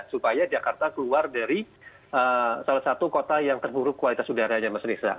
supaya jakarta keluar dari salah satu kota yang terburuk kualitas udaranya mas riza